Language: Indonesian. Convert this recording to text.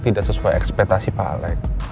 tidak sesuai ekspektasi pak alex